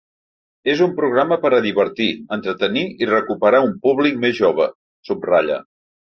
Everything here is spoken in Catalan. És un programa per a divertir, entretenir i recuperar un públic més jove, subratlla.